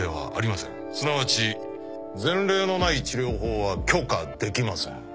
すなわち前例のない治療法は許可できません